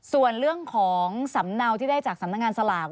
ส่วนเรื่องของสำเนาที่ได้จากสำนักงานสลาก